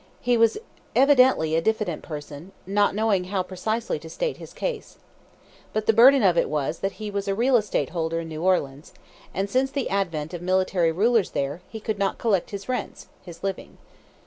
He was evidently a diffident person, not knowing how precisely to state his case. But the burden of it was that he was a real estate holder in New Orleans, and, since the advent of military rulers there, he could not collect his rents, his living.